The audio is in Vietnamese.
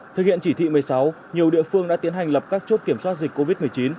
thực hiện chỉ thị một mươi sáu nhiều địa phương đã tiến hành lập các chốt kiểm soát dịch covid một mươi chín